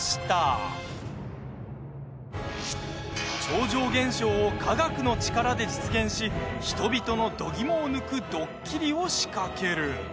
超常現象を科学の力で実現し人々のどぎもを抜くドッキリを仕掛ける。